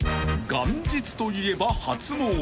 ［元日といえば初詣。